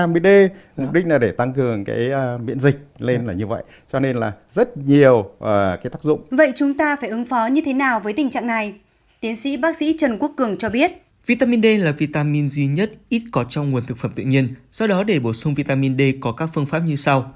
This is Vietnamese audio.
vitamin d duy nhất ít có trong nguồn thực phẩm tự nhiên do đó để bổ sung vitamin d có các phương pháp như sau